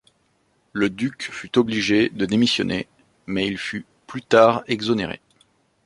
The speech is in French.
Le duc fut obligé de démissionner, mais il fut plus tard exonéré.